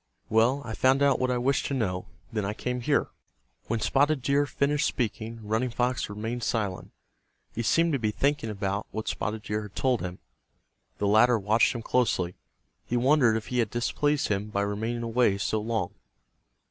Well, I found out what I wished to know. Then I came here." When Spotted Deer finished speaking Running Fox remained silent. He seemed to be thinking about what Spotted Deer had told him. The latter watched him closely. He wondered if he had displeased him by remaining away so long.